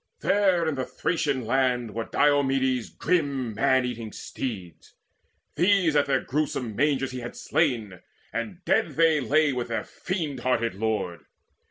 There in the Thracian land Were Diomedes' grim man eating steeds: These at their gruesome mangers had he slain, And dead they lay with their fiend hearted lord.